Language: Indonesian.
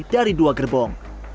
dari dua gerbong